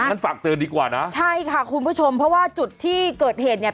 งั้นฝากเตือนดีกว่านะใช่ค่ะคุณผู้ชมเพราะว่าจุดที่เกิดเหตุเนี่ย